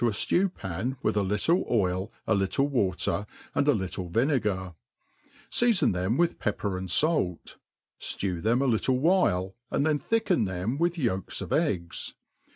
afteW'pan, with a littie oilj s^ little water, and a little vine gar ; feafon them with pepper and fait \ itew them a little while, and then thicken them with yolks of eggs.